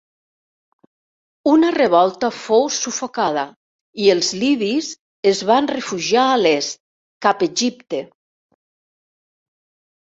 Una revolta fou sufocada i els libis es van refugiar a l'est, cap Egipte.